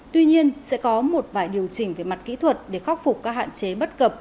tuy nhiên sẽ có một vài điều chỉnh về mặt kỹ thuật để khắc phục các hạn chế bất cập